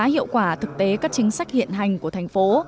đánh giá hiệu quả thực tế các chính sách hiện hành của thành phố